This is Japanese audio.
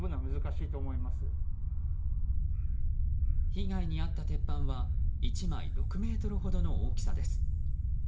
被害に遭った鉄板は１枚６ｍほどの大きさです。